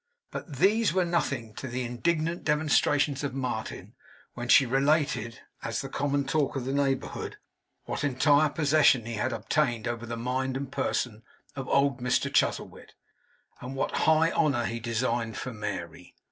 But these were nothing to the indignant demonstrations of Martin, when she related, as the common talk of the neighbourhood, what entire possession he had obtained over the mind and person of old Mr Chuzzlewit, and what high honour he designed for Mary.